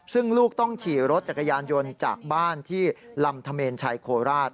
ซึ่งลูกต้องขี่รถจักรยานยนต์จากบ้านที่ลำธเมนชัยโคราช